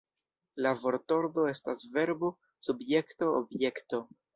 La vortordo estas Verbo Subjekto Objekto.